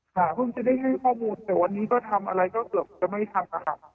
เพิ่งจะได้ให้ข้อมูลแต่วันนี้ก็ทำอะไรก็เกือบจะไม่ทันนะคะ